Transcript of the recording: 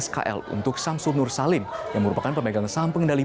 sampai saat ini sampul nursalim yang merupakan pemegang saham pengendali